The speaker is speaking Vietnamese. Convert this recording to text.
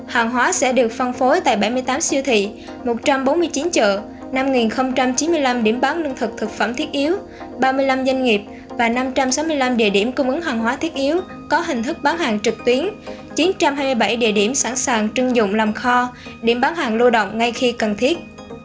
hàng hóa sẽ được phân phối tại bảy mươi tám siêu thị một trăm bốn mươi chín chợ năm chín mươi năm điểm bán lương thực thực phẩm thiết yếu ba mươi năm doanh nghiệp và năm trăm sáu mươi năm địa điểm cung ứng hàng hóa thiết yếu có hình thức bán hàng trực tuyến chín trăm hai mươi bảy địa điểm sẵn sàng trưng dụng làm kho điểm bán hàng lưu động ngay khi cần thiết